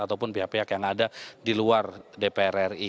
ataupun pihak pihak yang ada di luar dpr ri